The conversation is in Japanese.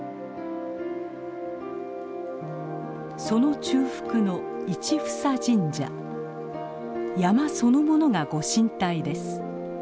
その中腹の市房神社山そのものがご神体です。